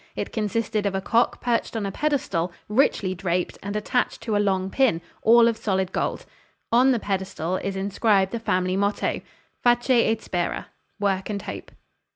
It consisted of a cock perched on a pedestal, richly draped, and attached to a long pin, all of solid gold. On the pedestal is inscribed the family motto, "Face et spera" (Work and hope).